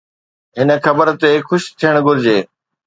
هن خبر تي خوش ٿيڻ گهرجي.